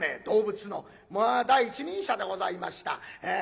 動物のまあ第一人者でございました。